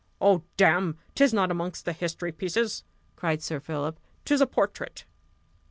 "Oh, damme! 'tis not amongst the history pieces," cried Sir Philip; "'tis a portrait."